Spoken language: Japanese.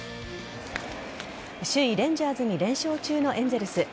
首位・レンジャーズに連勝中のエンゼルス。